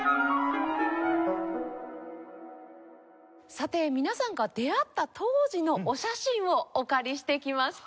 さて皆さんが出会った当時のお写真をお借りしてきました。